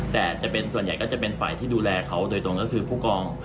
แต่จะเป็นส่วนใหญ่ก็จะเป็นฝ่ายที่ดูแลเขาโดยตรงก็คือผู้กอง